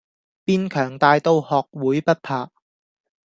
變強大到學會不怕